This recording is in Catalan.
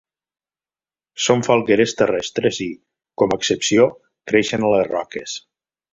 Són falgueres terrestres i, com a excepció, creixen a les roques.